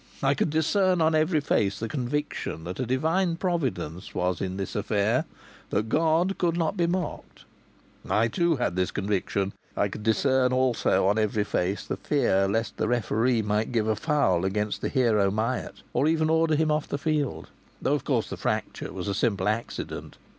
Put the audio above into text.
I could discern on every face the conviction that a divine providence was in this affair, that God could not be mocked. I too had this conviction. I could discern also on every face the fear lest the referee might give a foul against the hero Myatt, or even order him off the field, though of course the fracture was a simple accident.